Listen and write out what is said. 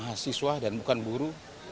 bukan mahasiswa dan bukan buruh